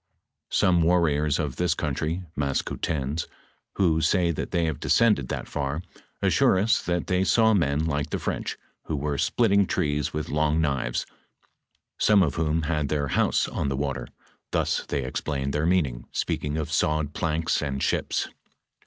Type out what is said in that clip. Some warriore of this country (Maskoutens), who say that they have descended that far, assure us that they saw men like the French, who were splitting trees with long knives, some of whom had their house on the water, ihus they explained their meaning, speaking of sawed planks and ships.